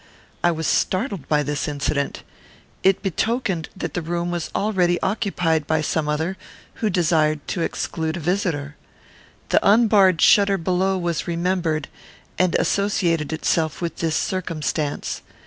I was startled by this incident. It betokened that the room was already occupied by some other, who desired to exclude a visitor. The unbarred shutter below was remembered, and associated itself with this circumstance.